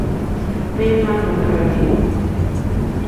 Ŋměmà mòrzàlì.